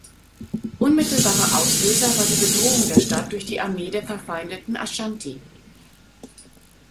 Unmittelbarer Auslöser war die Bedrohung der Stadt durch die Armee der verfeindeten Aschanti.